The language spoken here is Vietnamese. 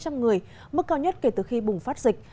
hơn ba trăm linh người mức cao nhất kể từ khi bùng phát dịch